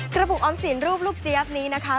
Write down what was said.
ระบุออมสินรูปลูกเจี๊ยบนี้นะคะ